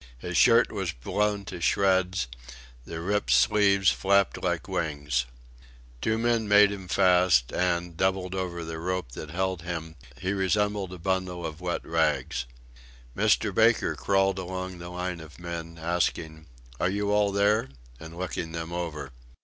His shirt was blown to shreds; the ripped sleeves flapped like wings. Two men made him fast, and, doubled over the rope that held him, he resembled a bundle of wet rags. Mr. Baker crawled along the line of men, asking: "Are you all there?" and looking them over.